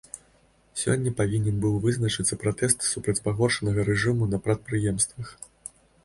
Сёння павінен быў вызначыцца пратэст супраць пагоршанага рэжыму на прадпрыемствах.